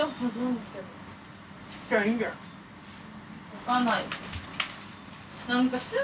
わかんない。